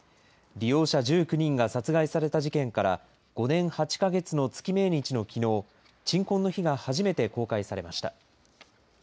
利用者１９人が殺害された事件から５年８か月の月命日のきのう、鎮魂の碑が初めて公開されました。